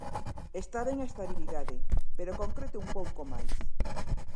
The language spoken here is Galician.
Está ben a estabilidade, pero concrete un pouco máis.